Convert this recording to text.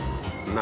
何？